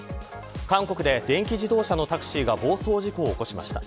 韓国で、電気自動車のタクシーが暴走事故を起こしました。